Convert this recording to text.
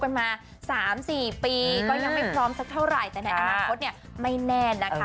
คุณผู้ชมค่ะ